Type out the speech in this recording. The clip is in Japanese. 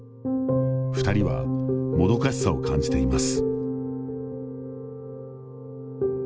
２人は、もどかしさを感じています。